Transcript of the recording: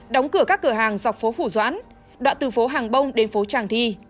đóng cửa các cửa hàng dọc phố phủ doãn đoạn từ phố hàng bông đến phố tràng thi